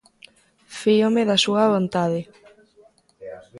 Fíome da súa vontade.